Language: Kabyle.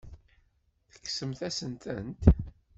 Tekksemt-asent-tent.